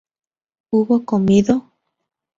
¿hubo comido?